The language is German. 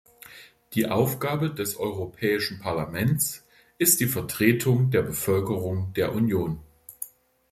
Die Aufgabe des Europäischen Parlaments ist die Vertretung der Bevölkerung der Union.